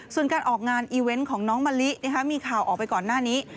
ส่วนการออกงานอีเวนต์ของน้องมะลิมีข่าวออกไปก่อนหน้านี้